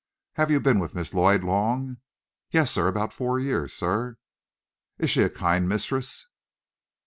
"Have you been with Miss Lloyd long?" "Yes, sir; about four years, sir." "Is she a kind mistress?"